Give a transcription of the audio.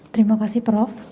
terima kasih prof